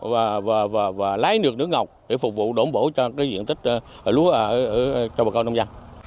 và lái nước ngọc để phục vụ đổn bổ cho diện tích lúa ở cầu gò nổi